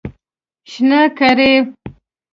شنه کړی